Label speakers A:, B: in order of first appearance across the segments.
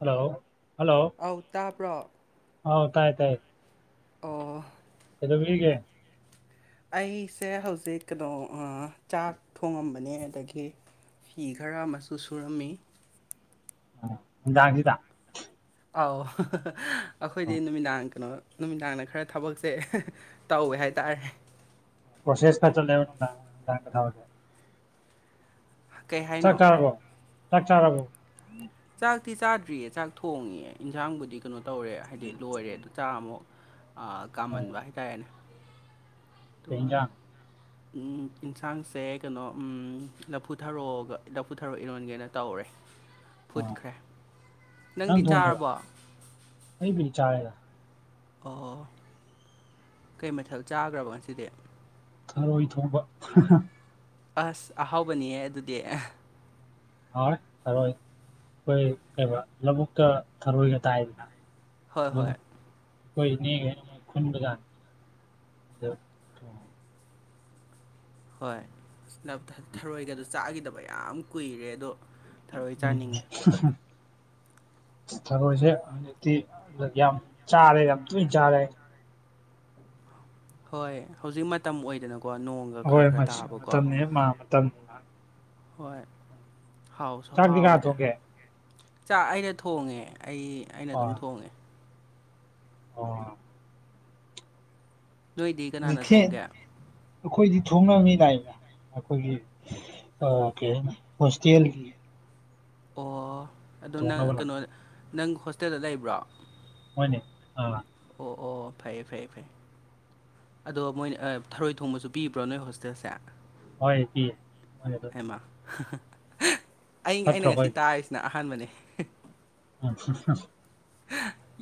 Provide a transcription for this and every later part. A: hello
B: ꯑꯧ ꯇꯥꯕ꯭ꯔꯣ
A: ꯍꯥꯎ ꯇꯥꯏ ꯇꯥꯏ
B: ꯑꯣ
A: ꯀꯗꯣꯕꯤꯒꯦ
B: ꯑꯩꯁꯦ ꯍꯧꯖꯤꯛ ꯀꯩꯅꯣ ꯆꯥꯛ ꯊꯣꯡꯉꯝꯕꯅꯦ ꯑꯗꯒꯤ ꯍꯤ ꯈꯔ ꯑꯃꯁꯨ ꯁꯨꯔꯝꯃꯤ
A: ꯅꯨꯡꯗꯥꯡꯁꯤꯗ
B: ꯑꯧ ꯑꯩꯈꯣꯏꯗꯤ ꯅꯨꯃꯤꯗꯥꯡ ꯀꯩꯅꯣ ꯅꯨꯃꯤꯗꯥꯡꯗ ꯈꯔ ꯊꯕꯛꯁꯦ ꯇꯧꯋꯦ ꯍꯥꯏꯇꯥꯔꯦ
A: ꯄꯣꯁꯦꯁ ꯆꯂ ꯀꯦ
B: ꯀꯩ
A: ꯆꯥꯛ
B: ꯍꯥꯏꯅꯣ
A: ꯆꯥꯔꯕꯣ ꯆꯥꯛ ꯆꯥꯔꯕꯣ
B: ꯆꯥꯛꯇꯤ ꯆꯥꯗ꯭ꯔꯤꯌꯦ ꯆꯥꯛ ꯊꯣꯡꯉꯦ ꯏꯟꯖꯥꯡꯕꯨꯗꯤ ꯀꯩꯅꯣ ꯇꯧꯔꯦ ꯍꯥꯏꯗꯤ ꯂꯣꯏꯔꯦ ꯑꯗꯨ ꯆꯥ ꯑꯃꯨꯛ
A: ꯑꯣ
B: ꯀꯥꯃꯟꯕ ꯍꯥꯏꯇꯥꯔꯦꯅꯦ
A: ꯀꯩ ꯍꯦꯜ ꯖꯥꯡ
B: ꯌꯦꯟꯁꯥꯡꯁꯦ ꯀꯩꯅꯣ ꯂꯐꯨꯊꯔꯣꯒ ꯂꯐꯨꯊꯔꯣ ꯏꯔꯣꯟꯒꯦꯅ ꯇꯧꯔꯦ
A: ꯎ
B: ꯐꯨꯠꯈ꯭ꯔꯦ
A: ꯅꯪ
B: ꯅꯪꯗꯤ
A: ꯊꯣꯡꯉꯦꯔꯣ
B: ꯆꯥꯔꯕꯣ
A: ꯑꯩꯕꯨ ꯆꯥꯏꯔ
B: ꯑꯣ ꯀꯩ ꯃꯊꯦꯜ ꯆꯥꯈ꯭ꯔꯕ ꯉꯁꯤꯗꯤ
A: ꯊꯔꯣꯏ ꯊꯣꯡꯕ
B: ꯑꯁ ꯑꯍꯥꯎꯕꯅꯤꯌꯦ ꯑꯗꯨꯗꯤ
A: ꯍꯣꯏ ꯊꯔꯣꯏ ꯑꯩꯈꯣꯏ ꯀꯩꯩꯅ ꯂꯧꯕꯨꯛꯇ ꯊꯔꯣꯏꯒ ꯇꯥꯏꯗꯅ
B: ꯍꯣꯏ
A: ꯑ
B: ꯍꯣꯏ
A: ꯑꯩꯈꯣꯏꯅꯦꯃꯣꯏ ꯈꯨꯟꯕꯗꯥ ꯑ
B: ꯍꯣꯏ ꯊꯔꯣꯏꯒ ꯑꯗꯨ ꯆꯥꯈꯤꯗꯕ ꯌꯥꯝ ꯀꯨꯏꯔꯦ ꯑꯗꯣ ꯊꯔꯣꯏ ꯆꯥꯅꯤꯡꯉꯦ
A: [unintelligible] ꯊꯔꯣꯏꯁꯦ ꯍꯧꯖꯤꯛꯇꯤ ꯌꯥꯝ ꯆꯥꯔꯦ ꯌꯥꯝ ꯇꯣꯏꯅ ꯆꯥꯔꯦ
B: ꯍꯣꯏ ꯍꯧꯖꯤꯛ ꯃꯇꯝ ꯑꯣꯏꯗꯅꯀꯣ ꯅꯣꯡ
A: ꯍꯣꯏ ꯃꯇꯝꯅꯤ ꯃꯥ ꯃꯇꯝꯅꯤ
B: ꯍꯣꯏ ꯍꯥꯎꯁꯨ
A: ꯆꯥꯛꯇꯤ ꯀꯅꯥ
B: ꯍꯥꯎꯑꯣꯏꯗꯦ
A: ꯊꯣꯡꯒꯦ
B: ꯆꯥꯛ ꯑꯩꯅ ꯊꯣꯡꯉꯦ ꯑꯩ ꯑꯩꯅ ꯑꯗꯨꯝ
A: ꯑꯣ
B: ꯊꯣꯡꯉꯦ
A: ꯑꯣ
B: ꯅꯣꯏꯗꯤ
A: ꯑꯗꯨ
B: ꯀꯅꯥꯅ
A: ꯊꯦꯡ
B: ꯊꯣꯡꯒꯦ
A: ꯑꯩꯈꯣꯏꯗꯤ ꯊꯣꯡꯅꯕ ꯃꯤꯅꯥꯏꯅꯦ ꯑꯩꯈꯣꯏꯒꯤ ꯀꯩ ꯍꯥꯏꯅꯤ ꯍꯣꯁꯇꯦꯜꯒꯤ
B: ꯑꯣ ꯑꯗꯨꯗꯣ ꯅꯪ
A: ꯊꯣꯡꯅꯕ ꯂꯥꯛ
B: ꯀꯩꯅꯣ ꯅꯪ ꯍꯣꯁꯇꯦꯜꯗ ꯂꯩꯕ꯭ꯔꯣ
A: ꯍꯅꯦ ꯑ
B: ꯑꯣ ꯑꯣ ꯐꯩꯌꯦ ꯐꯩꯌꯦ ꯐꯩ ꯑꯗꯣ ꯃꯣꯏ ꯊꯔꯣꯏ ꯊꯣꯡꯕꯁꯨ ꯄꯤꯕ꯭ꯔꯣ ꯅꯣꯏ ꯍꯣꯁꯇꯦꯜꯁꯦ
A: ꯍꯣꯏ ꯄꯤ ꯃꯣꯏꯅ ꯑꯗꯨꯝ
B: ꯍꯃ ꯑꯌꯪ ꯑꯩꯅ
A: ꯐꯠꯇ꯭ꯔꯣ
B: ꯉꯁꯤ
A: ꯑꯩꯈꯣꯏꯗꯤ
B: ꯇꯥꯔꯤꯁꯤꯅ ꯑꯍꯥꯟꯕꯅꯤ
A: ꯎꯝꯝ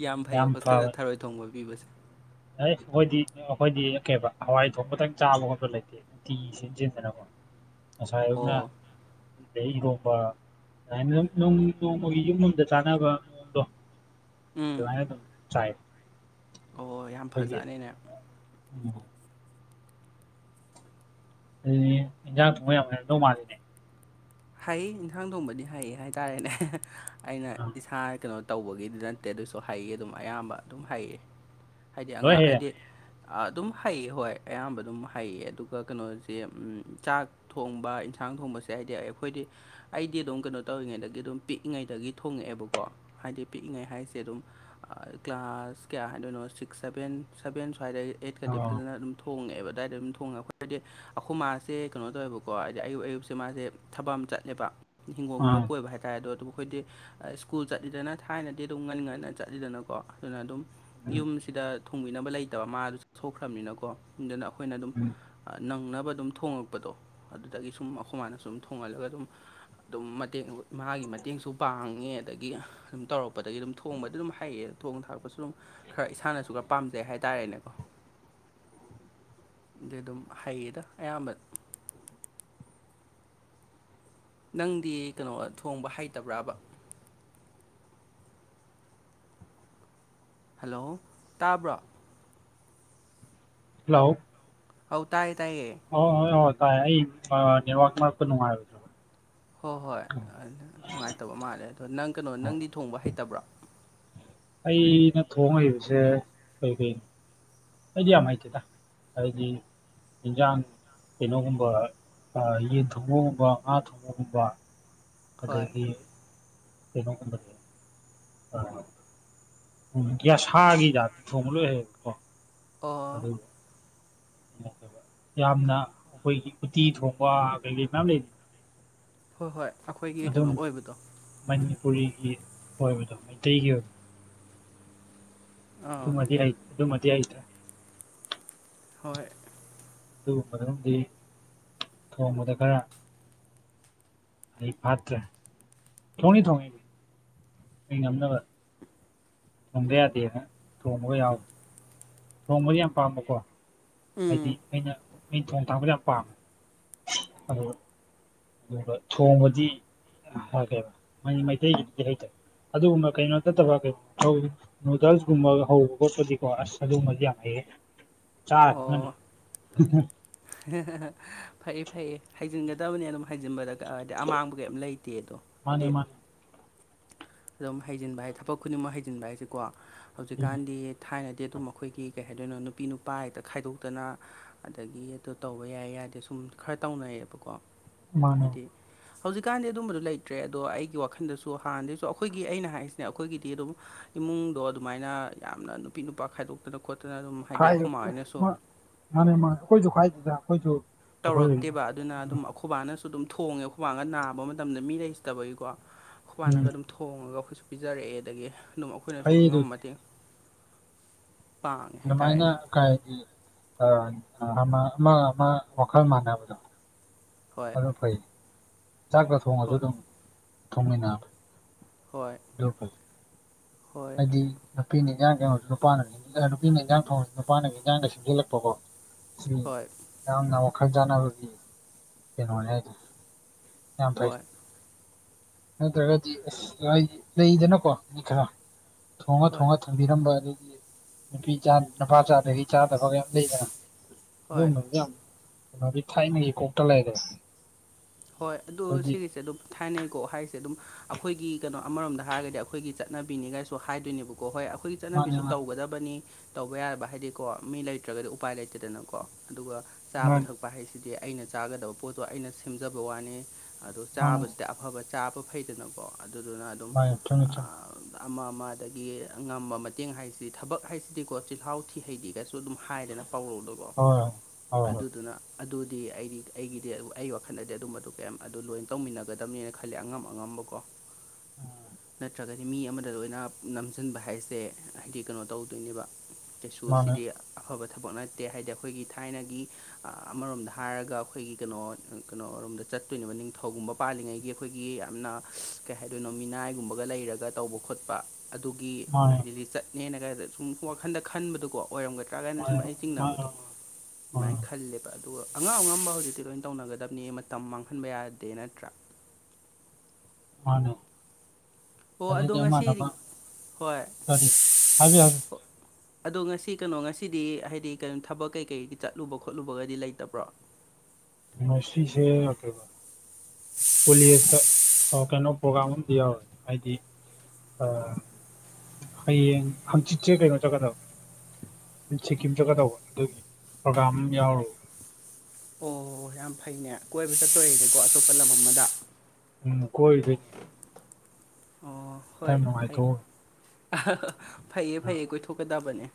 B: ꯌꯥꯝ ꯐꯩꯌꯦ ꯍꯣꯁꯇꯦꯜꯗ ꯊꯔꯣꯏ ꯊꯣꯡꯕ ꯄꯤꯕꯁꯦ
A: ꯍ ꯑꯩꯈꯣꯏꯗꯤ ꯑꯩꯈꯣꯏꯗꯤ ꯀꯩꯕ ꯍꯋꯥꯏ ꯊꯣꯡꯕꯇꯪ ꯆꯥꯕ ꯈꯣꯠꯄ ꯂꯩꯇꯦ ꯅꯨꯡꯇꯤ ꯁꯦꯝꯖꯤꯟꯗꯅꯀꯣ ꯉꯁꯥꯏ ꯑꯧꯅ
B: ꯑꯣ
A: ꯑꯗꯩ ꯏꯔꯣꯕ ꯑꯗꯨꯃꯥꯏꯅ ꯅꯣꯡꯃꯒꯤ ꯌꯨꯝ ꯑꯃꯗ ꯆꯥꯅꯕ ꯃꯑꯣꯡꯗꯣ
B: ꯎꯝ
A: ꯅ ꯑꯗꯨ ꯆ
B: ꯑꯣ ꯌꯥꯝ ꯐꯖꯅꯤꯅꯦ
A: ꯎꯝ ꯑꯗꯨꯗꯤ ꯏꯟꯖꯥꯡ ꯊꯣꯡꯕ ꯌꯥꯃ ꯂꯧꯧ ꯃꯥꯜꯂꯤꯅꯦ
B: ꯍꯩ ꯏꯟꯁꯥꯡ ꯊꯣꯡꯕꯗꯤ ꯍꯩꯌꯦ ꯍꯥꯏꯇꯥꯔꯦꯅꯦ ꯑꯩꯅ
A: ꯑꯥ
B: ꯏꯁꯥ ꯀꯩꯅꯣ ꯇꯧꯕꯒꯤꯗꯤ ꯅꯠꯇꯦ ꯑꯗꯨꯁꯨ ꯍꯩꯌꯦ ꯑꯗꯨꯝ ꯑꯌꯥꯝꯕ ꯑꯗꯨꯝ ꯍꯩꯌꯦ ꯍꯥꯏꯗꯤ
A: ꯂꯣꯏ
B: ꯑꯉꯥꯡ
A: ꯍꯩꯔꯦ
B: ꯍꯥꯏꯗꯤ ꯑꯗꯨꯝ ꯍꯩꯌꯦ ꯍꯣꯏ ꯑꯌꯥꯝꯕ ꯑꯗꯨꯝ ꯍꯩꯌꯦ ꯑꯗꯨꯒ ꯀꯩꯅꯣꯁꯦ ꯆꯥꯛ ꯊꯣꯡꯕ ꯏꯟꯁꯥꯡ ꯊꯣꯡꯕꯁꯦ ꯍꯥꯏꯗꯤ ꯈꯣꯏꯗꯤ ꯑꯩꯗꯤ ꯑꯗꯨꯝ ꯀꯩꯅꯣ ꯇꯧꯔꯤꯉꯩꯗꯒꯤ ꯑꯗꯨꯝ ꯄꯤꯛꯏꯉꯩꯗꯒꯤ ꯊꯣꯡꯉꯛꯑꯦꯕꯀꯣ ꯍꯥꯏꯗꯤ ꯄꯤꯛꯏꯉꯩ ꯍꯥꯏꯁꯦ ꯑꯗꯨꯝ ꯀ꯭ꯂꯥꯁ ꯀꯌꯥ ꯍꯥꯏꯗꯣꯏꯅꯣ ꯁꯤꯛꯁ ꯁꯚꯦꯟ ꯁꯕꯦꯟ ꯁ꯭ꯋꯥꯏꯗꯩ ꯑꯩꯠꯀꯗꯤ
A: ꯑꯣ
B: ꯐꯖꯅ ꯑꯗꯨꯝ ꯊꯣꯡꯉꯦ ꯑꯗꯥꯏꯗ ꯗꯨꯝ ꯍꯥꯏꯗꯤ ꯑꯩꯈꯣꯏ ꯃꯥꯁꯦ ꯀꯩꯅꯣ ꯇꯧꯋꯦꯕꯀꯣ ꯍꯥꯏꯗꯤ ꯑꯌꯨꯛ ꯑꯌꯨꯛꯁꯦ ꯃꯥꯁꯦ ꯊꯕꯛ ꯑꯃ ꯆꯠꯂꯦꯕ ꯍꯤꯡꯒꯣꯟꯒꯨꯝꯕ
A: ꯑꯥ
B: ꯀꯣꯏꯕ ꯍꯥꯏꯇꯥꯔꯦ ꯑꯗꯣ ꯈꯣꯏꯗꯤ ꯁ꯭ꯀꯨꯜ ꯆꯠꯂꯤꯗꯅ ꯊꯥꯏꯅꯗꯤ ꯑꯗꯨꯝ ꯉꯟ ꯉꯟꯅ ꯆꯠꯂꯤꯗꯅꯀꯣ ꯑꯗꯨꯅ ꯑꯗꯨꯝ
A: ꯎꯝ
B: ꯌꯨꯝꯁꯤꯗ ꯊꯣꯡꯕꯤꯅꯕ ꯂꯩꯇꯕ ꯃꯥꯗꯨ ꯆ ꯁꯣꯛꯈ꯭ꯔꯕꯅꯤꯅꯀꯣ ꯑꯗꯨꯅ ꯑꯩꯈꯣꯏꯅ ꯑꯗꯨꯝ
A: ꯎꯝ
B: ꯅꯪꯅꯕ ꯑꯗꯨꯝ ꯊꯣꯡꯉ ꯄꯗꯣ ꯑꯗꯨꯗꯒꯤ ꯁꯨꯝ ꯑꯩꯈꯣꯏꯃꯥꯏꯅ ꯁꯨꯝ ꯊꯣꯡꯍꯜꯂꯒ ꯑꯗꯨꯝ ꯑꯗꯨꯝ ꯃꯇꯦꯡ ꯏꯃꯒꯤ ꯃꯇꯦꯡꯁꯨ ꯄꯥꯡꯉꯦ ꯑꯗꯒꯤ ꯑꯗꯨꯝ ꯇꯧꯔꯛꯄꯗꯒꯤ ꯑꯗꯨꯝ ꯊꯣꯡꯕꯗꯤ ꯑꯗꯨꯝ ꯍꯩꯌꯦ ꯊꯣꯡ ꯊꯥꯛꯄꯁꯨ ꯑꯗꯨꯝ ꯈꯔ ꯏꯁꯥꯅꯁꯨ ꯈꯔ ꯄꯥꯝꯖꯩ ꯍꯥꯏꯇꯥꯔꯦꯅꯦꯀꯣ
A: [unintelligible]
B: ꯑ ꯑꯗꯨꯝ ꯍꯩꯌꯦꯗ ꯑꯌꯥꯝꯕ ꯅꯪꯗꯤ ꯀꯩꯅꯣ ꯊꯣꯡꯕ ꯍꯩꯇꯕ꯭ꯔꯕ ꯍꯜꯂꯣ ꯇꯥꯕ꯭ꯔꯣ
A: ꯍꯂꯣ
B: ꯍꯧ ꯇꯥꯏ ꯇꯥꯏꯌꯦ
A: ꯑꯣ ꯍꯣꯏ ꯍ ꯇꯥꯏ ꯑ ꯅ ꯋꯥ ꯃꯥꯁꯨꯅꯅꯨꯡꯥꯏ
B: ꯍꯣꯏ ꯍꯣꯏ ꯑꯗꯨ ꯅꯨꯡꯉꯥꯏꯇꯕ ꯃꯥꯜꯂꯦ ꯑꯗꯣ ꯅꯪ ꯀꯩꯅꯣ ꯅꯪꯗꯤ ꯊꯣꯡꯕ ꯍꯩꯇꯕ꯭ꯔꯣ
A: ꯑꯩꯅ ꯊꯣꯡꯉ ꯍꯩꯕꯁꯦ ꯀꯩ ꯀꯩ ꯍꯥꯏꯗꯤ ꯌꯥꯝ ꯍꯩꯇꯦꯗ ꯍꯥꯏꯗꯤ ꯌꯦꯟꯖꯥꯡ ꯀꯩꯅꯣꯒꯨꯝꯕ ꯌꯦꯟ ꯊꯣꯡꯕꯒꯨꯝꯕ ꯉꯥ ꯊꯣꯡꯕꯒꯨꯝꯕ
B: ꯍꯣꯏ
A: ꯑꯗꯩꯗꯤ ꯀꯩꯅꯣ [inaudible] ꯌꯥꯁꯥꯒꯤ ꯌꯥ ꯊꯣꯡꯂ [inaudible]
B: ꯑꯣ
A: ꯌꯥꯝꯅ ꯑꯩꯈꯣꯏꯒꯤ ꯎꯇꯤ ꯊꯣꯡꯕ ꯀꯩꯀꯩ ꯃꯌꯥꯝ ꯂꯩ
B: ꯍꯣꯏ ꯍꯣꯏ ꯑꯩꯈꯣꯏꯒꯤ
A: ꯑꯗꯨꯝ
B: ꯀꯩꯅꯣ ꯑꯣꯏꯕꯗꯣ
A: ꯃꯅꯤꯄꯨꯔꯤꯒꯤ ꯑꯣꯏꯕꯗꯣ ꯃꯩꯇꯩꯒꯤ ꯑꯣꯏꯕ
B: ꯑꯥ
A: ꯑꯗꯨꯃꯗꯤ ꯑꯗꯨꯃꯗꯤ
B: ꯍꯣꯏ
A: ꯑꯗꯨꯒꯨꯝꯕꯗꯨꯗꯤ ꯊꯣꯡꯕꯗ ꯈꯔ ꯍꯩꯐꯥꯠꯇ꯭ꯔꯦ ꯊꯣꯡꯉꯗꯤ ꯊꯣꯡꯉꯤ ꯑꯩ ꯉꯝꯅꯕ ꯊꯣꯡꯕ ꯌꯥꯗꯦꯅ ꯊꯣꯡꯕꯒ ꯌꯥꯎꯋꯤ ꯊꯣꯡꯕꯗꯤ ꯌꯥꯝ ꯄꯥꯝꯕꯀꯣ ꯍꯥꯏꯗꯤ
B: ꯎꯝ
A: ꯑꯩꯅ ꯑ ꯊꯣꯡ ꯊꯥꯛꯕꯗ ꯌꯥꯝ ꯄꯥꯝꯃꯦ ꯑꯗꯨꯒ ꯊꯣꯡꯕꯗꯤ ꯍꯥꯏꯈ꯭ꯔꯦꯕ ꯃꯩꯇꯩꯒꯤꯗꯨꯗꯤ ꯍꯥꯏꯇꯥꯔꯦ ꯑꯗꯨꯒꯨꯝꯕ ꯀꯩꯅꯣ ꯅꯠꯇꯕ ꯀ ꯅꯨꯗꯜꯁꯀꯨꯝꯕ ꯍꯧꯕ ꯈꯣꯠꯄꯗꯤꯀꯣ ꯑꯁ ꯑꯗꯨꯒꯨꯝꯕꯗꯤ ꯌꯥꯝ ꯍꯩꯌꯦ ꯆꯔꯥ ꯈꯪꯅꯤ
B: ꯑꯣ ꯐꯩꯌꯦ ꯐꯩꯌꯦ ꯍꯥꯏꯖꯤꯟꯒꯗꯕꯅꯤ ꯑꯗꯨꯝ ꯍꯥꯏꯖꯤꯟꯕꯗ ꯍꯥꯏꯗꯤ ꯑꯃꯥꯡꯕ ꯀꯩꯝ ꯂꯩꯇꯦꯗꯣ
A: ꯃꯥꯅꯦ
B: ꯍꯥꯏꯗꯤ
A: ꯃꯥꯅꯦ
B: ꯑꯗꯨꯝ ꯍꯩꯖꯤꯟꯕ ꯍꯥꯏ ꯊꯕꯛ ꯈꯨꯗꯤꯡꯃꯛ ꯍꯩꯖꯤꯟꯕ ꯍꯥꯏꯁꯦꯀꯣ ꯍꯧꯖꯤꯛꯀꯥꯟꯗꯤ ꯊꯥꯏꯅꯗꯤ ꯑꯗꯨꯝ ꯑꯩꯈꯣꯏꯒꯤ ꯀꯩ ꯍꯥꯏꯗꯣꯏꯅꯣ ꯅꯨꯄꯤ ꯅꯨꯄꯥ ꯍꯦꯛꯇ ꯈꯥꯏꯗꯣꯛꯇꯅ ꯑꯗꯒꯤ ꯑꯗꯨ ꯇꯧꯕ ꯌꯥꯏ ꯌꯥꯗꯦ ꯁꯨꯝ ꯈꯔ ꯇꯧꯅꯩꯌꯦꯕꯀꯣ
A: ꯃꯥꯅꯦ
B: ꯍꯥꯏꯗꯤ ꯍꯧꯖꯤꯛꯀꯥꯟꯗꯤ ꯑꯗꯨꯝꯕꯗꯨꯣ ꯂꯩꯇ꯭ꯔꯦ ꯑꯗꯣ ꯑꯩꯒꯤ ꯋꯥꯈꯜꯗꯁꯨ ꯍꯥꯟꯅꯗꯒꯤꯁꯨ ꯑꯩꯈꯣꯏꯒꯤ ꯑꯩꯅ ꯍꯥꯏꯔꯤꯁꯤꯅꯦ ꯑꯩꯈꯣꯏꯒꯤꯗꯤ ꯑꯗꯨꯝ ꯏꯃꯨꯡꯗꯣ ꯑꯗꯨꯃꯥꯏꯅ ꯌꯥꯝꯅ ꯅꯨꯄꯤ ꯅꯨꯄꯥ ꯈꯥꯏꯗꯣꯛꯇꯅ ꯈꯣꯠꯇꯅ ꯑꯗꯨꯝ ꯍꯥꯏꯗꯤ
A: ꯈꯥꯏꯌ
B: ꯑꯩꯈꯣꯏ ꯃꯥ ꯍꯣꯏꯅꯁꯨ
A: [inaudible] ꯃꯥꯅꯦ ꯃꯥꯅꯦ ꯑꯩꯈꯣꯏꯁꯨ ꯈꯥꯏꯗꯦꯗ ꯑꯩꯈꯣꯏꯁꯨ ꯑꯩꯈꯣꯏ
B: ꯇꯧꯔꯛꯇꯦꯕ ꯑꯗꯨꯅ ꯑꯗꯨꯝ ꯑꯩꯈꯣꯏꯕꯥꯅꯁꯨ ꯑꯗꯨꯝ ꯊꯣꯡꯉꯦ ꯈꯨꯈꯣꯏꯕꯥꯒ ꯅꯥꯕ ꯃꯇꯝꯗ ꯃꯤ ꯂꯩꯖꯇꯕꯒꯤꯀꯣ ꯑꯩꯈꯣꯏꯕꯥꯅꯒ
A: ꯎꯝ
B: ꯑꯗꯨꯝ ꯊꯣꯡꯉꯒ ꯑꯩꯈꯣꯏꯁꯨ ꯄꯤꯖꯔꯛꯑꯦ ꯑꯗꯒꯤ ꯑꯗꯨꯝ ꯑꯩꯈꯣꯏꯅꯁꯨ
A: ꯑꯩꯗꯨ
B: ꯑꯉꯝꯕ ꯃꯇꯦꯡ ꯄꯥꯡꯉꯦ
A: ꯑꯗꯨꯃꯥꯏꯅ
B: ꯍꯥꯏꯇꯥꯔꯦꯅꯦ
A: ꯀꯩ ꯍꯥꯏꯗꯤ ꯑꯃ ꯑꯃ ꯋꯥꯈꯜ ꯃꯥꯟꯅꯕꯗꯣ
B: ꯍꯣꯏ
A: ꯑꯗꯨ ꯐꯩ ꯆꯥꯛꯀ ꯊꯣꯉꯁꯨ
B: ꯍꯣꯏ
A: ꯑꯗꯨꯝ ꯊꯣꯡꯃꯤꯟꯅꯕꯗꯣ
B: ꯍꯣꯏ
A: ꯄꯜ [inaudible]
B: ꯍꯣꯏ
A: ꯍꯥꯏꯗꯤ ꯅꯨꯄꯤꯅ ꯏꯟꯖꯥꯡ [inaudible] ꯊꯪꯨꯔꯁꯨ ꯅꯨꯄꯥꯅ ꯅꯨꯄꯤꯅ ꯏꯟꯖꯥꯡ ꯊꯣꯡꯉꯁꯨ ꯅꯨꯄꯥꯅꯒꯤ ꯏꯟꯖꯥꯡꯗ ꯁꯦꯝꯖꯤꯜꯂꯛꯄꯀꯣ ꯑꯁꯤ
B: ꯍꯣꯏ
A: ꯌꯥꯝꯅ ꯋꯥꯈꯜ ꯆꯥꯟꯅꯕꯒꯤ ꯀꯩꯅꯣꯅꯦ ꯍꯥꯏꯇꯥꯔꯦ ꯌꯥꯝ ꯐꯩ
B: ꯍꯣꯏ
A: ꯅꯠꯇ꯭ꯔꯒꯗꯤ ꯑꯁ ꯍꯥꯏ ꯂꯩꯗꯅꯀꯣ ꯃꯤ ꯈꯔ ꯊꯣꯡꯉ
B: ꯍꯣꯏ
A: ꯊꯣꯡꯉ ꯊꯝꯕꯤꯔꯝꯕ ꯑꯗꯒꯤ ꯅꯨꯄꯤ ꯅꯨꯄꯥ ꯆꯥꯗꯒꯤ ꯆꯥꯗꯕ ꯀꯩ ꯂꯩꯗꯅ
B: ꯍꯣꯏ
A: ꯑꯗꯨꯒꯨꯝꯕꯗꯨꯗꯤ ꯌꯥꯝ ꯀꯩꯅꯣꯗꯤ ꯊꯥꯏꯅꯒꯤ ꯀꯣꯛꯇ ꯂꯩꯒ꯭ꯔꯦ
B: ꯍꯣꯏ ꯑꯗꯨ ꯁꯤꯒꯤꯁꯦ ꯑꯗꯨꯝ ꯊꯥꯏꯅꯩꯀꯣ ꯍꯥꯏꯁꯦ ꯑꯗꯨꯝ ꯑꯩꯈꯣꯏꯒꯤ ꯀꯩꯅꯣ ꯑꯃꯔꯣꯝꯗ ꯍꯥꯏꯔꯒꯗꯤ ꯑꯩꯈꯣꯏꯒꯤ ꯆꯠꯅꯕꯤꯅꯤꯒꯥꯏꯁꯨ ꯍꯥꯏꯗꯣꯏꯅꯦꯕꯀꯣ ꯍꯣꯏ ꯑꯩꯈꯣꯏꯒꯤ
A: ꯃꯥꯅꯤ
B: ꯆꯠꯅꯕꯤꯁꯨ
A: ꯃꯥꯅꯤ
B: ꯇꯧꯒꯗꯕꯅꯤ ꯇꯧꯕ ꯌꯥꯕ ꯍꯥꯏꯗꯤꯀꯣ ꯃꯤ ꯂꯩꯇ꯭ꯔꯒꯗꯤ ꯎꯄꯥꯏ ꯂꯩꯇꯗꯅꯀꯣ ꯑꯗꯨꯒ ꯆꯥꯕ
A: ꯃꯥꯅꯤ
B: ꯊꯛꯄ ꯍꯥꯏꯁꯤꯗꯤ ꯑꯩꯅ ꯆꯥꯒꯗꯕ ꯄꯣꯠꯇꯣ ꯑꯩꯅ ꯁꯦꯝꯖꯕ ꯋꯥꯅꯦ ꯑꯗꯣ
A: ꯃꯥꯅꯤ
B: ꯆꯥꯕꯁꯤꯗ ꯑꯐꯕ ꯆꯥꯕ ꯐꯩꯗꯅꯀꯣ ꯑꯗꯨꯗꯨꯅ ꯑꯗꯨꯝ
A: ꯃꯥꯅꯤ ꯆꯨꯝꯃꯤ ꯆꯨꯝꯃꯤ
B: ꯑꯥ ꯑꯃ ꯑꯃ ꯑꯗꯒꯤ ꯉꯝꯕ ꯃꯇꯦꯡ ꯍꯥꯏꯁꯤꯗꯤ ꯊꯕꯛ ꯍꯥꯏꯁꯤꯗꯤꯀꯣ ꯆꯤꯜꯍꯥꯎ ꯊꯤ ꯍꯩꯗꯤꯒ ꯁꯨ ꯑꯗꯨꯝ ꯍꯥꯏꯗꯅ ꯄꯧꯔꯛꯗꯣꯀꯣ
A: ꯍꯣꯏ ꯍꯣꯏ ꯍꯣꯏ
B: ꯑꯗꯨꯗꯨꯅ ꯑꯗꯨꯗꯤ ꯑꯩꯗꯤ ꯑꯩꯒꯤꯗꯤ ꯑꯩ ꯈꯅꯗꯤ ꯑꯗꯨꯝꯕꯗꯨ ꯀꯌꯥꯝ ꯑꯗꯨ ꯂꯣꯏꯅ ꯇꯧꯃꯤꯟꯅꯒꯗꯕꯅꯦꯅ ꯈꯜꯂꯦ ꯑꯉꯝ ꯑꯉꯝꯕꯀꯣ ꯅꯠꯇ꯭ꯔꯒꯗꯤ ꯃꯤ ꯑꯃꯗ ꯂꯣꯏꯅ ꯅꯝꯁꯤꯟꯕ ꯍꯥꯏꯁꯦ ꯍꯥꯏꯗꯤ ꯀꯩꯅꯣ ꯇꯧꯗꯣꯏꯅꯦꯕ ꯀꯩꯁꯨ
A: ꯃꯥꯅꯦ
B: ꯑꯁꯤꯗꯤ ꯑꯐꯕ ꯊꯕꯛ ꯅꯠꯇꯦ ꯍꯥꯏꯗꯤ ꯑꯩꯈꯣꯏꯒꯤ ꯊꯥꯏꯅꯒꯤ ꯑꯃꯔꯣꯝꯗ ꯍꯥꯏꯔꯒ ꯑꯩꯈꯣꯏꯒꯤ ꯀꯩꯅꯣ ꯀꯩꯅꯣꯔꯣꯝꯗ ꯆꯠꯇꯣꯏꯅꯦꯕ ꯅꯤꯡꯊꯧꯒꯨꯝꯕ ꯄꯥꯜꯂꯤꯉꯩꯒꯤ ꯑꯩꯈꯣꯏꯒꯤ ꯌꯥꯝꯅ ꯀꯩ ꯍꯥꯏꯗꯣꯏꯅꯣ ꯃꯤꯅꯥꯏꯒꯨꯝꯕꯒ ꯂꯩꯔꯒ ꯇꯧꯕ ꯈꯣꯠꯄ ꯑꯗꯨꯒꯤ
A: ꯃꯥꯅꯦ
B: ꯍꯥꯏꯗꯤꯗꯤ ꯆꯠꯅꯦꯅ ꯀꯥꯏꯗ ꯁꯨꯝ ꯋꯥꯈꯟꯗ ꯈꯟꯕꯗꯨꯀꯣ ꯑꯣꯏꯔꯝꯒꯗ ꯭ꯔꯥ ꯀꯥꯏꯅ ꯁꯨꯝ
A: ꯃꯥꯅꯦ
B: ꯑꯩ ꯆꯤꯡꯅꯕꯗꯣ
A: ꯃꯥꯅꯦ
B: ꯑꯗꯨꯃꯥꯏꯅ ꯈꯜꯂꯦꯕ ꯑꯗꯨꯒ ꯑꯉꯥꯡ ꯑꯉꯝꯕ ꯍꯧꯖꯤꯛꯇꯤ ꯂꯣꯏꯅ ꯇꯧꯅꯒꯗꯕ ꯑ ꯃꯇꯝ ꯃꯥꯡꯍꯟꯕ ꯌꯥꯗꯦ ꯅꯠꯇ꯭ꯔꯥ
A: ꯃꯥꯅꯦ
B: ꯑꯣ ꯑꯗꯣ
A: ꯑꯗꯨꯗꯤ
B: ꯉꯁꯤ
A: ꯑꯃꯅ ꯑꯃ
B: ꯍꯣꯏ
A: ꯀꯔꯤ ꯍꯥꯏꯕꯤꯌꯨ ꯍꯥꯏꯕꯤꯌꯨ
B: ꯑꯣ ꯑꯗꯣ ꯉꯁꯤ ꯀꯩꯅꯣ ꯉꯁꯤꯗꯤ ꯍꯥꯏꯗꯤ ꯀꯩꯅꯣ ꯊꯕꯛ ꯀꯩꯀꯩ ꯆꯠꯂꯨꯕ ꯈꯣꯠꯂꯨꯕꯒꯗꯤ ꯂꯩꯇꯕ꯭ꯔꯣ
A: ꯃꯁꯁꯦꯦꯕ ꯀꯣꯂꯦꯖꯇ ꯀꯩꯅꯣ ꯄ꯭ꯔꯣꯒꯥ꯭ꯔꯥꯝ ꯑꯝ ꯌꯥꯎꯔꯦ ꯍꯥꯏꯗꯤ ꯑ ꯑꯩ ꯆ ꯆꯦꯅ ꯆ ꯀꯗ ꯁꯤꯀꯤꯝ ꯆꯠꯀꯗꯧꯕ ꯑꯗꯨꯒꯤ ꯄ꯭ꯔꯣꯒꯥꯝ ꯑꯃ ꯌꯥꯎꯔꯨ
B: ꯑꯣ ꯌꯥꯝ ꯐꯩꯅꯦ ꯀꯣꯏꯕ ꯆꯠꯇꯣꯔꯦꯅꯦꯀꯣ ꯑꯇꯣꯞꯄ ꯂꯝ ꯑꯃꯗ
A: ꯎꯝ ꯀꯣꯏꯗꯅꯤ
B: ꯑꯣ ꯍꯣꯏ
A: ꯌꯥꯝꯔ
B: ꯐꯩ
A: ꯅꯨꯡꯉꯥꯏꯊꯣ
B: ꯐꯩꯌꯦ ꯐꯩꯌꯦ ꯀꯣꯏꯊꯣꯛꯀꯗꯕꯅꯦ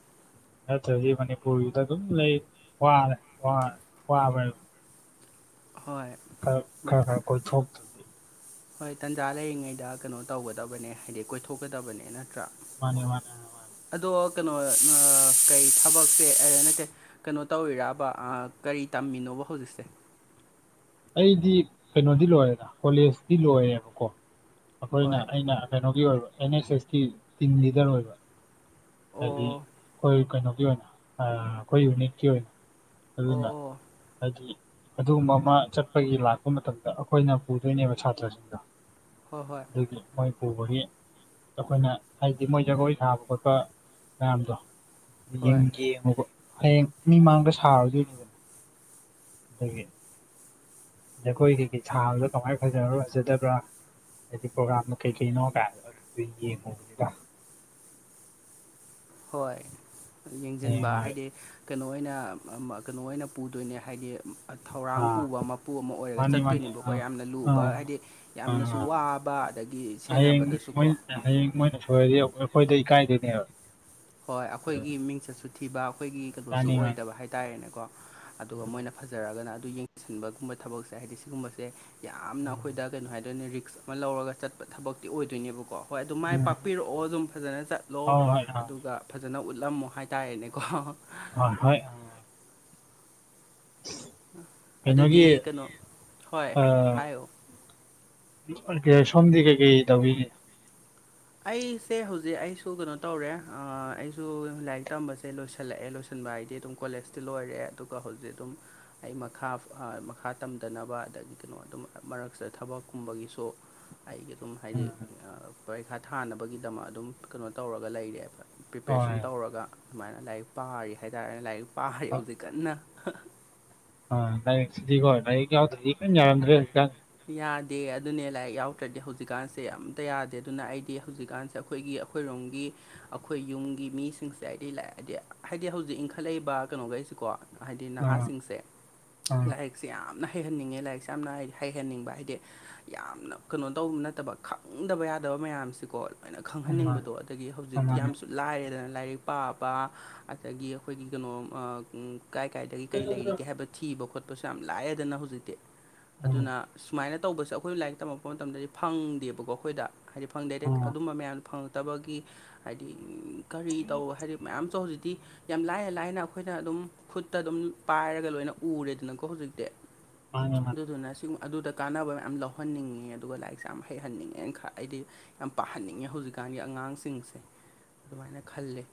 A: ꯅꯠꯇ꯭ꯔꯗꯤ ꯃꯅꯤꯄꯨꯔꯒꯤꯗ ꯑꯗꯨꯝ ꯂꯩ ꯋꯥꯔꯦ ꯋꯥꯔꯦ ꯋꯥꯕ
B: ꯍꯣꯏ
A: ꯈꯔ
B: ꯃꯠ
A: ꯈꯔ ꯈꯔ ꯀꯣꯏ ꯊꯣꯛ
B: ꯍꯣꯏ ꯇꯟꯖꯥ ꯂꯩꯔꯤꯉꯩꯗ ꯀꯩꯅꯣ ꯇꯧꯒꯗꯕꯅꯦ ꯍꯥꯏꯗꯤ ꯀꯣꯏꯊꯣꯛꯀꯗꯕꯅꯦ ꯅꯠꯇ꯭ꯔꯥ
A: ꯃꯥꯅꯦ ꯃꯥꯅꯦ ꯃꯥꯅꯦ
B: ꯑꯗꯣ ꯀꯩꯅꯣ ꯀꯩ ꯊꯕꯛꯁꯦ ꯍꯥꯏ ꯅꯠꯇꯦ ꯀꯩꯅꯣ ꯇꯧꯔꯤꯔꯕ ꯀꯔꯤ ꯇꯝꯃꯤꯅꯣꯕ ꯍꯧꯖꯤꯛꯁꯦ
A: ꯑꯩꯗꯤ ꯀꯩꯅꯣꯗꯤ ꯂꯣꯏꯔꯦꯗ ꯀꯣꯂꯦꯖꯇꯤ ꯂꯣꯏꯔꯦꯕꯀꯣ ꯑꯩꯈꯣꯏꯅ
B: ꯍꯣꯏ
A: ꯑꯩꯅ ꯀꯩꯅꯣꯒꯤ ꯑꯣꯏꯕ ꯑꯦꯟ ꯑꯦꯁ ꯑꯦꯁꯀꯤ ꯇꯤꯝ ꯂꯤꯗꯔ ꯑꯣꯏꯕ ꯍꯥꯏꯗꯤ
B: ꯑꯣ
A: ꯑꯩꯈꯣꯏ ꯀꯩꯅꯣꯒꯤ ꯑꯣꯏꯅ ꯑꯩꯈꯣꯏ ꯌꯨꯅꯤꯠꯀꯤ ꯑꯣꯏꯅ ꯑꯗꯨꯅ
B: ꯑꯣ
A: ꯍꯥꯏꯗꯤ ꯑꯗꯨꯒꯨꯝꯕ ꯑꯃ ꯆꯠꯄꯒꯤ ꯂꯥꯛꯄ ꯃꯇꯝꯗ ꯑꯩꯈꯣꯏꯅ ꯄꯨꯗꯣꯏꯅꯦꯕ ꯁꯥꯇ꯭ꯔꯁꯤꯡꯗꯣ
B: ꯍꯣꯏ ꯍꯣꯏ
A: ꯑꯗꯒꯤ ꯃꯥꯏ ꯄꯨꯕꯒꯤ ꯑꯩꯈꯣꯏꯅ ꯍꯥꯏꯗꯤ ꯃꯣꯏ ꯖꯒꯣꯏ ꯊꯥꯕ ꯈꯣꯠꯄ ꯃꯌꯥꯝꯗꯣ
B: ꯍꯣꯏ ꯍꯣꯏ
A: ꯌꯦꯡꯉꯨꯕ ꯍꯌꯦꯡ ꯃꯤ ꯃꯥꯡꯗ ꯁꯥꯔꯗꯣꯏꯅꯤꯗꯅ ꯑꯗꯒꯤ ꯖꯈꯣꯏꯒꯤ ꯁꯥꯕꯗꯣ ꯀꯃꯥꯏꯅ ꯐꯖꯔ ꯐꯖꯗꯕ꯭ꯔꯥ ꯍꯥꯏꯗꯤ ꯄ꯭ꯔꯣꯒꯥꯝꯗꯣ ꯀꯩ ꯀꯩꯅꯣ ꯀ ꯑꯗꯨ ꯌꯦꯡꯉꯨꯕꯅꯤꯗ
B: ꯍꯣꯏ
A: ꯍꯌꯦꯡ
B: ꯌꯦꯡꯁꯤꯟꯕ
A: ꯍꯣꯏ
B: ꯍꯥꯏꯗꯤ ꯀꯩꯅꯣ ꯑꯣꯏꯅ ꯀꯩꯅꯣ ꯑꯣꯏꯅ ꯄꯨꯗꯣꯏꯅꯦ ꯍꯥꯏꯗꯤ ꯊꯧꯔꯥꯡ
A: ꯑꯥ
B: ꯄꯨꯕ ꯃꯄꯨ ꯑꯃ ꯑꯣꯏꯔꯒ
A: ꯃꯥꯅꯤ ꯃꯥꯅꯤ
B: ꯆꯠꯇꯣꯏꯅꯦꯕꯀꯣ
A: ꯑꯥ
B: ꯌꯥꯝꯅ
A: ꯑꯥ
B: ꯂꯨꯕ ꯍꯥꯏꯗꯤ ꯌꯥꯝꯅꯁꯨ
A: ꯑꯥ
B: ꯋꯥꯕ ꯑꯗꯒꯤ
A: ꯍꯌꯦꯡ
B: ꯁꯦꯟꯅꯕꯗꯁꯨ
A: ꯃꯣꯏ ꯍꯌꯦꯡ ꯃꯣꯏꯅ ꯁꯣꯏꯔꯗꯤ ꯑꯩꯈꯣꯏꯗ ꯏꯀꯥꯏꯗꯣꯏꯅꯦꯕ
B: ꯍꯣꯏ ꯑꯩꯈꯣꯏꯒꯤ ꯃꯤꯡꯆꯠꯁꯨ ꯊꯤꯕ ꯑꯩꯈꯣꯏꯒꯤ ꯀꯩꯅꯣꯁꯨ
A: ꯃꯥꯅꯤ ꯃꯥꯅꯤ
B: ꯑꯣꯏꯗꯕ ꯍꯥꯏꯇꯥꯔꯦꯅꯦꯀꯣ ꯑꯗꯨꯒ ꯃꯣꯏꯅ ꯐꯖꯔꯒꯅ ꯑꯗꯨ ꯌꯦꯡꯁꯤꯟꯕꯒꯨꯝꯕ ꯊꯕꯛꯁꯦ ꯍꯥꯏꯗꯤ ꯁꯤꯒꯨꯝꯕꯁꯦ ꯌꯥꯝꯅ
A: ꯎꯝ
B: ꯑꯩꯈꯣꯏꯗ ꯀꯩꯅꯣ ꯍꯥꯏꯗꯣꯏꯅꯦ ꯔꯤꯛꯁ ꯑꯃ ꯂꯧꯔꯒ ꯆꯠꯄ ꯊꯕꯛꯇꯤ ꯑꯣꯏꯗꯣꯏꯅꯦꯕꯀꯣ ꯍꯣꯏ ꯑꯗꯨ ꯃꯥꯏ
A: ꯎꯝ ꯎꯝ
B: ꯄꯥꯛꯄꯤꯔꯛꯑꯣ ꯑꯗꯨꯝ ꯐꯖꯅ ꯆꯠꯂꯣ
A: ꯍꯣꯏ ꯍꯣꯏ ꯑꯥ
B: ꯑꯗꯨꯒ ꯐꯖꯅ ꯎꯠꯂꯝꯃꯣ ꯍꯥꯏꯇꯥꯔꯦꯅꯦꯀꯣ
A: ꯍꯣꯏ ꯍꯣꯏ [unintelligible]
B: ꯑꯗꯨꯗꯤ
A: ꯀꯩꯅꯣꯒꯤ
B: ꯀꯩꯅꯣ ꯍꯣꯏ
A: ꯑꯥ
B: ꯍꯥꯏꯌꯣ
A: ꯁꯣꯝꯗꯤ ꯀꯩ ꯀꯩ ꯇꯣꯏꯕꯤꯔꯤ
B: ꯑꯩꯁꯦ ꯍꯧꯖꯤꯛ ꯑꯩꯁꯨ ꯀꯩꯅꯣ ꯇꯧꯔꯦ ꯑꯩꯁꯨ ꯂꯥꯏꯔꯤꯛ ꯇꯝꯕꯁꯦ ꯂꯣꯏꯁꯤꯜꯂꯛꯑꯦ ꯂꯣꯏꯜꯦ ꯊꯤꯟꯕ ꯍꯥꯏꯗꯤ ꯑꯗꯨꯝ ꯀꯣꯂꯦꯖꯇꯤ ꯂꯣꯏꯔꯦ ꯑꯗꯨꯒ ꯍꯧꯖꯤꯛ ꯑꯗꯨꯝ ꯑꯩ ꯃꯈꯥ ꯃꯈꯥ ꯇꯝꯗꯅꯕ ꯑꯗꯒꯤ ꯀꯩꯅꯣ ꯑꯗꯨꯝ ꯃꯔꯛꯁꯤꯗ ꯊꯕꯛꯀꯨꯝꯕꯒꯤꯁꯨ ꯑꯩꯒꯤ ꯑꯗꯨꯝ ꯍꯥꯏꯗꯤ ꯄꯔꯤꯈꯥ ꯊꯥꯅꯕꯒꯤꯗꯃꯛ ꯑꯗꯨꯝ ꯀꯩꯅꯣ ꯇꯧꯔꯒ ꯂꯩꯔꯦꯕ ꯄ꯭ꯔꯤꯄꯦꯔꯦꯁꯟ
A: ꯍꯣꯏ
B: ꯇꯧꯔꯒ ꯑꯗꯨꯃꯥꯏꯅ ꯂꯥꯏꯔꯤꯛ ꯄꯥꯔꯤ ꯍꯥꯏꯇꯥꯔꯦꯅꯦ ꯂꯥꯏꯔꯤꯛ ꯄꯥꯔꯤ ꯍꯧꯖꯤꯛ ꯀꯟꯅ
A: ꯑ ꯂꯥꯏꯔꯤꯛ ꯁꯤꯗꯤ ꯂꯥꯏꯔꯤꯛ ꯌꯥꯎꯗ꯭ꯔꯦꯗꯤ ꯀ ꯌꯥꯎꯔꯗ꯭ꯔꯦ
B: ꯌꯥꯗꯦ ꯑꯗꯨꯅꯦ ꯂꯥꯏꯔꯤꯛ ꯌꯥꯎꯗ꯭ꯔꯗꯤ ꯍꯧꯖꯤꯛꯀꯥꯟꯁꯦ ꯑꯝꯇ ꯌꯥꯗꯦ ꯑꯗꯨꯅ ꯑꯩꯗꯤ ꯍꯧꯖꯤꯛꯀꯥꯟꯁꯦ ꯑꯩꯈꯣꯏꯒꯤ ꯑꯩꯈꯣꯏꯔꯣꯝꯒꯤ ꯑꯩꯈꯣꯏ ꯌꯨꯝꯒꯤ ꯃꯤꯁꯤꯡꯁꯦ ꯍꯥꯏꯗꯤ ꯂꯥꯛꯑꯦꯗꯤ ꯍꯥꯏꯗꯤ ꯍꯧꯖꯤꯛ ꯏꯟꯈꯠꯂꯛꯏꯕ ꯀꯩꯅꯣꯈꯩꯁꯤꯀꯣ ꯍꯥꯏꯗꯤ
A: ꯑꯥ
B: ꯅꯍꯥꯁꯤꯡꯁꯦ
A: ꯑꯥ
B: ꯂꯥꯏꯔꯤꯛꯁꯦ ꯌꯥꯝꯅ ꯍꯩꯍꯟꯅꯤꯡꯉꯦ ꯂꯥꯏꯔꯤꯛꯁꯦ ꯌꯥꯝꯅ ꯍꯩ ꯍꯩꯍꯟꯅꯤꯡꯕ ꯍꯥꯏꯗꯤ ꯌꯥꯝꯅ ꯀꯩꯅꯣ ꯇꯧꯕ ꯅꯠꯇꯕ ꯈꯪꯗꯕ ꯌꯥꯗꯕ ꯃꯌꯥꯝꯁꯤꯀꯣ ꯍꯥꯏꯅ ꯈꯪꯍꯟꯅꯤꯡꯕꯗꯣ
A: ꯃꯥꯅꯦ
B: ꯑꯗꯒꯤ ꯍꯧꯖꯤꯛꯇꯤ
A: ꯃꯥꯅꯦ
B: ꯌꯥꯝꯁꯨ ꯂꯥꯏꯔꯦꯗꯅ ꯂꯥꯏꯔꯤꯛ ꯄꯥꯕ ꯑꯗꯒꯤ ꯑꯩꯈꯣꯏꯒꯤ ꯀꯩꯅꯣ ꯀꯥꯏ ꯀꯥꯏꯗꯒꯤ ꯀꯩ ꯂꯩꯔꯤꯒꯦ ꯍꯥꯏꯕ ꯊꯤꯕ ꯈꯣꯠꯄꯁꯨ ꯌꯥꯝ ꯂꯥꯛꯑꯦꯗꯅ ꯍꯧꯖꯤꯛꯇꯤ
A: ꯎꯝ
B: ꯑꯗꯨꯅ ꯁꯨꯃꯥꯏꯅ ꯇꯧꯕꯁꯦ ꯑꯩꯈꯣꯏꯅ ꯂꯥꯏꯔꯤꯛ ꯇꯝꯃꯛꯄ ꯃꯇꯝꯗꯗꯤ ꯐꯪꯗꯦꯕꯀꯣ ꯑꯩꯈꯣꯏꯗ ꯍꯥꯏꯗꯤ ꯐꯪ ꯦꯏꯔꯦꯛ
A: ꯎꯝ
B: ꯑꯗꯨꯝꯕ ꯃꯌꯥꯝ ꯐꯪꯉꯛꯇꯕꯒꯤ ꯍꯥꯏꯗꯤ ꯀꯔꯤ ꯇꯧ ꯍꯥꯏꯗꯤ ꯃꯌꯥꯝꯁꯨ ꯍꯧꯖꯤꯛꯇꯤ ꯌꯥꯝ ꯂꯥꯏꯅ ꯂꯥꯏꯅ ꯑꯩꯈꯣꯏꯅ ꯑꯗꯨꯝ ꯈꯨꯠꯇ ꯑꯗꯨꯝ ꯄꯥꯏꯔꯒ ꯂꯣꯏꯅ ꯎꯔꯦꯗꯅꯀꯣ ꯍꯧꯖꯤꯛꯇꯤ
A: ꯃꯥꯅꯦ ꯃꯥꯅꯦ
B: ꯑꯗꯨꯗꯨꯅ ꯑꯗꯨꯗ ꯀꯥꯟꯅꯕ ꯃꯌꯥꯝ ꯂꯧꯍꯟꯅꯤꯡꯉꯦ ꯑꯗꯨꯒ ꯂꯥꯏꯔꯤꯛꯁꯦ ꯌꯥꯝ ꯍꯩꯍꯟꯅꯤꯡꯉꯦꯅ ꯈ ꯑꯩꯗꯤ ꯌꯥꯝ ꯄꯥꯍꯟꯅꯤꯡꯉꯦ ꯍꯧꯖꯤꯛꯀꯥꯟꯒꯤ ꯑꯉꯥꯡꯁꯤꯡꯁꯦ ꯑꯗꯨꯃꯥꯏꯅ ꯈꯜꯂꯦ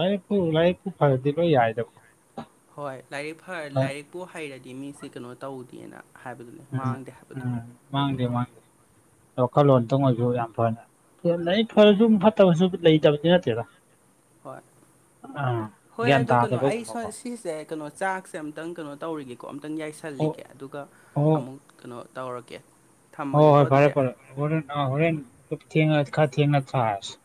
A: ꯂꯥꯏ ꯂꯥꯏꯨ ꯐꯔꯗꯤꯕ ꯌꯥꯏꯗ
B: ꯍꯣꯏ ꯂꯥꯏꯔꯤꯛ ꯂꯥꯏꯔꯤꯛꯄꯨ ꯍꯩꯔꯗꯤ ꯃꯤꯁꯦ ꯀꯩꯅꯣ ꯇꯧꯗꯦꯅ ꯍꯥꯏꯕꯗꯨꯅꯤ
A: ꯎꯝ
B: ꯃꯥꯡꯗꯦ ꯍꯥꯏꯕꯗꯣ
A: ꯎꯝ ꯃꯥꯡꯗꯦ
B: ꯑꯗꯨꯅꯤꯀꯣ
A: ꯃꯥꯡꯗꯦ ꯋꯥꯈꯜꯂꯣꯟꯇꯪ ꯑꯣꯏꯁꯨ ꯌꯥꯝ ꯐꯅ ꯐꯔꯁꯨ ꯐꯠꯇꯕꯁꯨ ꯂꯩꯇꯕꯗꯤ ꯅꯠꯇꯦꯗ
B: ꯍꯣꯏ
A: ꯑꯥ
B: ꯍꯣꯏ
A: ꯒ꯭ꯌꯥꯟ
B: ꯑꯗꯨ ꯀꯩꯅꯣ ꯑꯩ ꯁꯣ
A: ꯇꯥꯗꯕꯒꯨꯝꯕꯀꯣ
B: ꯁꯤꯁꯦ ꯀꯩꯅꯣ ꯆꯥꯛꯁꯦ ꯑꯃꯝꯛꯇꯪ ꯀꯩꯅꯣ ꯇꯧꯔꯤꯒꯦꯀꯣ ꯑꯃꯝꯛꯇꯪ
A: ꯑꯣ
B: ꯌꯥꯏꯁꯜꯂꯤꯒꯦ ꯑꯗꯨꯒ ꯑꯃꯨꯛ ꯀꯩꯅꯣ ꯇꯧꯔꯛꯀꯦ
A: ꯍ ꯍꯣꯏ ꯐꯔꯦ ꯐꯔ ꯍꯔꯦꯟ ꯍꯔꯦꯟ ꯊ ꯑꯠꯈꯥ ꯊꯅ ꯊꯥꯁ